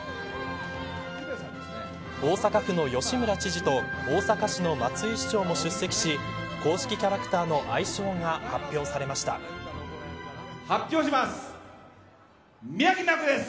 大阪府の吉村知事と大阪市の松井市長も出席し公式キャラクターの愛称が発表します。